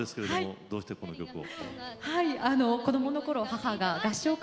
どうして、この曲を？